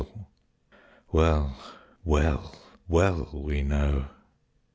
Well, well, well, we know!